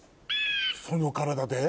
その体で？